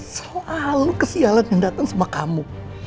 selalu kesialan yang datang sama kamu